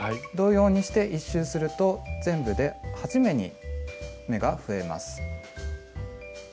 同様にして１周すると全部で８目に目が増えます。